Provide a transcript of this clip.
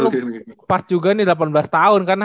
lu pas juga nih delapan belas tahun karena